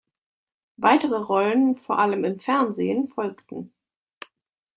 Weitere Rollen, vor allem im Fernsehen, folgten.